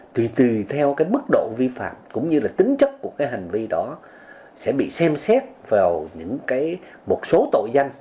tùy tùy theo bức độ vi phạm cũng như tính chất của hành vi đó sẽ bị xem xét vào một số tội danh